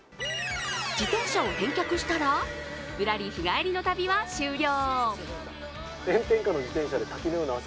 自転車を返却したら、ぶらり日帰りの旅は終了。